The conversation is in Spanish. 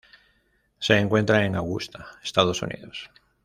Se encuentra en Augusta, Estados Unidos.